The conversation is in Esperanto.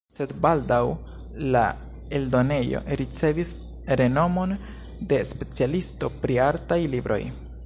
Sed baldaŭ la eldonejo ricevis renomon de specialisto pri artaj libroj.